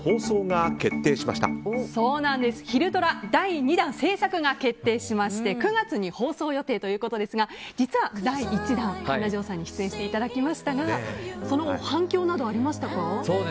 第２弾制作が決定しまして９月に放送予定ということですが実は第１弾、神田穣さんに出演していただきましたがその後、反響などありましたか？